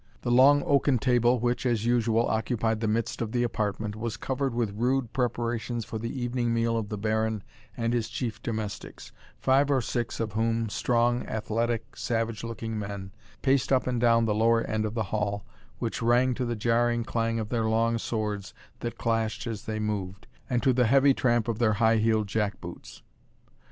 The long oaken table, which, as usual, occupied the midst of the apartment, was covered with rude preparations for the evening meal of the Baron and his chief domestics, five or six of whom, strong, athletic, savage looking men, paced up and down the lower end of the hall, which rang to the jarring clang of their long swords that clashed as they moved, and to the heavy tramp of their high heeled jack boots.